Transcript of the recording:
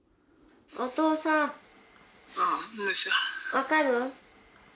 分かる？